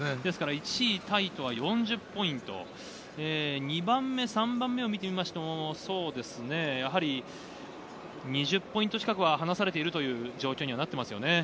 １位タイとは４０ポイント、２番目、３番目を見てみましても２０ポイント近くは離されているという状況です。